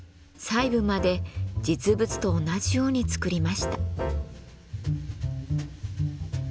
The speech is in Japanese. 細部まで実物と同じように造りました。